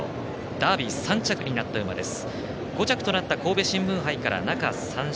ダービー３着になった馬です。